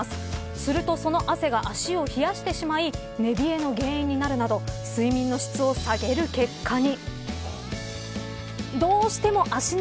するとその汗が足を冷やしてしまい寝冷えの原因になるなど睡眠の質を下げる結果に。